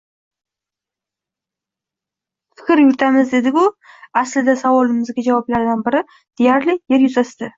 «Fikr yuritamiz» dedig-u, aslida, savolimizga javoblardan biri, deyarli «yer yuzasida».